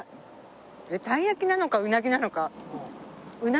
鯛焼きなのかうなぎなのか？